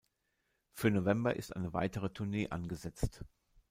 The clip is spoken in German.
Für November ist eine weitere Tournee angesetzt.